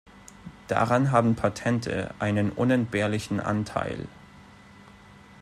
Daran haben Patente einen unentbehrlichen Anteil.